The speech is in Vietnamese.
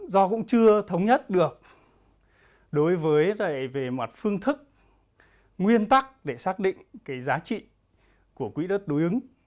do cũng chưa thống nhất được đối với về mặt phương thức nguyên tắc để xác định cái giá trị của quỹ đất đối ứng